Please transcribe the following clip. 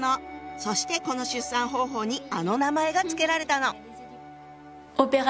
そしてこの出産方法にあの名前が付けられたの。